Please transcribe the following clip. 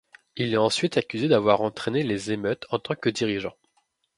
Il est ensuite accusé d'avoir entrainé les émeutes en tant que dirigeant.